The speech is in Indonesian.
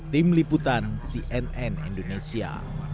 tim liputan cnn indonesia